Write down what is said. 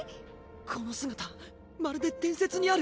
この姿まるで伝説にある。